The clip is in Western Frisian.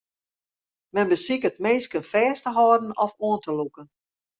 Men besiket minsken fêst te hâlden of oan te lûken.